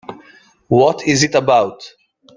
What is it about?